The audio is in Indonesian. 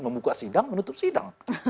membuka sidang menutup sidang